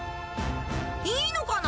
いいのかな？